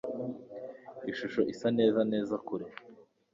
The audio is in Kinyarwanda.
Ishusho isa neza neza kure.